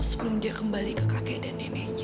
sebelum dia kembali ke kakek dan neneknya